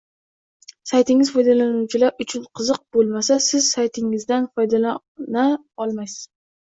saytingiz foydalanuvchilar uchun qiziq bo’lmasa Siz saytingizdan foyda ololmaysiz